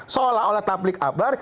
seolah olah takbik akbar